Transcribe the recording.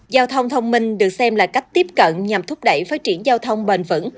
giao thông thông minh được xem là cách tiếp cận nhằm thúc đẩy phát triển giao thông bền vững